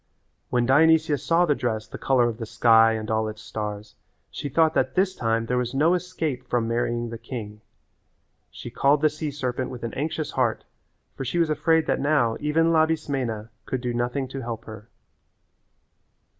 When Dionysia saw the dress the colour of the sky and all its stars she thought that this time there was no escape from marrying the king. She called the sea serpent with an anxious heart for she was afraid that now even Labismena could do nothing to help her.